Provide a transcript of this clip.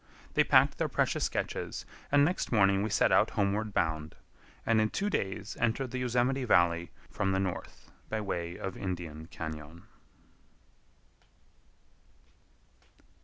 They packed their precious sketches, and next morning we set out homeward bound, and in two days entered the Yosemite Valley from the north by way of Indian Cañon.